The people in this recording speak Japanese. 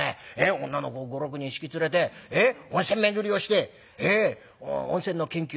女の子５６人引き連れて温泉巡りをして温泉の研究」。